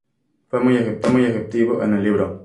Fue muy efectivo en el libro.